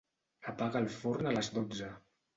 Apaga el forn a les dotze.